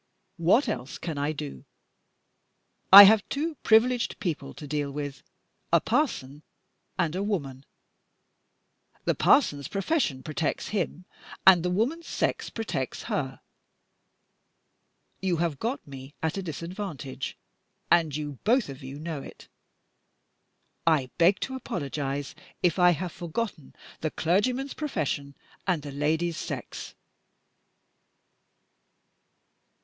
What else can I do? I have two privileged people to deal with a parson and a woman. The parson's profession protects him, and the woman's sex protects her. You have got me at a disadvantage, and you both of you know it. I beg to apologize if I have forgotten the clergyman's profession and the lady's sex."